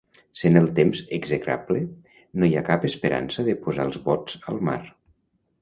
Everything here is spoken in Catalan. Sent el temps execrable, no hi ha cap esperança de posar els bots al mar.